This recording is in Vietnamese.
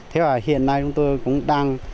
thế và hiện nay chúng tôi cũng đang